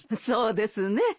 そうですね。